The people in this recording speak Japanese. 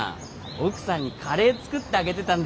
奥さんにカレー作ってあげてたんですか？